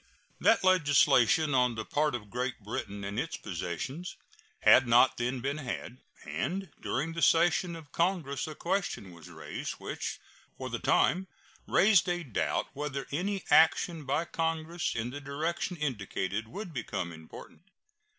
That legislation on the part of Great Britain and its possessions had not then been had, and during the session of Congress a question was raised which for the time raised a doubt whether any action by Congress in the direction indicated would become important.